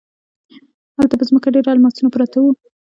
هلته په ځمکه ډیر الماسونه پراته وو.